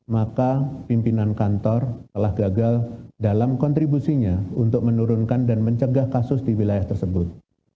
maka pimpinan kantor telah gagal dalam kontribusinya untuk menurunkan dan mencegah kasus di wilayah tersebut